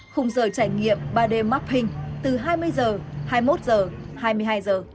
khung giờ trải nghiệm ba d mapping từ hai mươi h hai mươi một h hai mươi hai giờ